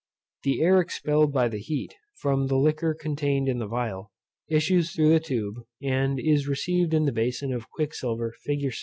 The air expelled by the heat, from the liquor contained in the phial, issues through the tube, and is received in the bason of quicksilver, fig.